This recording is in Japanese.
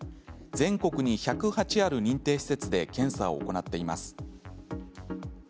全国に１０８ある認定施設で検査を行っています。